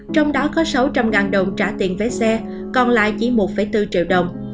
trong đó có sáu trăm linh đồng trả tiền vé xe còn lại chỉ một bốn triệu đồng